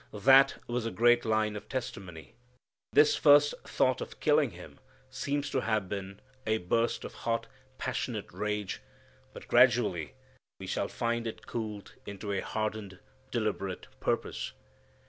That was a great line of testimony. This first thought of killing Him seems to have been a burst of hot, passionate rage, but gradually we shall find it cooled into a hardened, deliberate purpose.